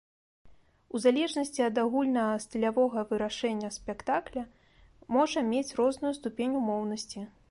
У залежнасці ад агульнага стылявога вырашэння спектакля можа мець розную ступень умоўнасці.